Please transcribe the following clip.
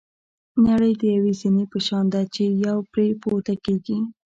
نړۍ د یوې زینې په شان ده چې یو پرې پورته کېږي.